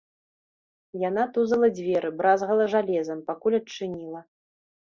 Яна тузала дзверы, бразгала жалезам, пакуль адчыніла.